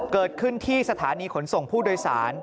เกิดขึ้นที่สถานีขนส่งผู้โดยสาร